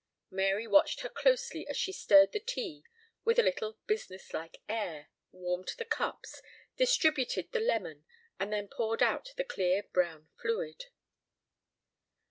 Mary watched her closely as she stirred the tea with a little business like air, warmed the cups, distributed the lemon and then poured out the clear brown fluid.